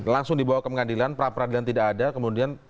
langsung dibawa ke pengadilan pra peradilan tidak ada kemudian